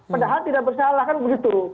padahal tidak bersalah kan begitu